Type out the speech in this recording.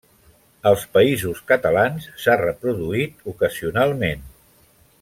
Als Països Catalans s'ha reproduït ocasionalment.